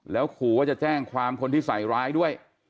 แล้วขู่ว่าจะแจ้งความคนที่ใส่ร้ายด้วย